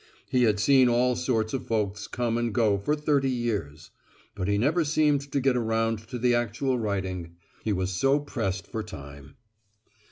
He had seen all sorts of folks come and go for thirty years. But he never seemed to get around to the actual writing. He was so pressed for time.